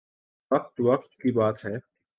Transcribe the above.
فقط وقت کی بات ہے۔